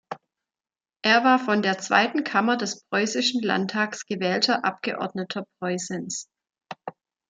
Er war von der Zweiten Kammer des Preußischen Landtags gewählter Abgeordneter Preußens.